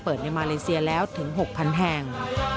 ในมาเลเซียแล้วถึง๖๐๐๐แห่ง